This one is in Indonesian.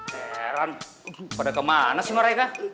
heran pada kemana sih mereka